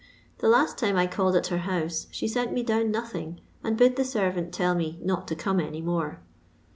The last time I called at her boose she sent me down nothing, and bid the servant tell me not to come any more.